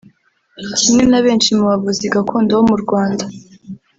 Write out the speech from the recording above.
Kimwe na benshi mu bavuzi gakondo bo mu Rwanda